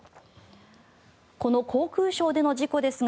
この航空ショーでの事故ですが